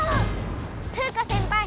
フウカせんぱい！